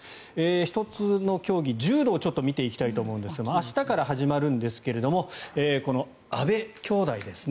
１つの競技、柔道をちょっと見ていきたいんですが明日から始まるんですが阿部兄妹ですね。